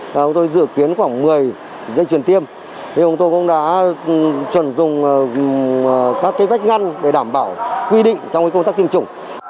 chúng tôi dự kiến khoảng một mươi dây chuyển tiêm chúng tôi cũng đã chuẩn dùng các cái vách ngăn để đảm bảo quy định trong công tác tiêm chủng